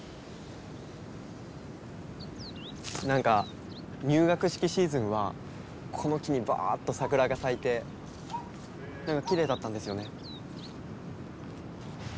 なんか入学式シーズンはこの木にバーッと桜が咲いてきれいだったんですよね。